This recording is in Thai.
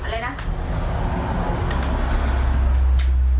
อะไรนะ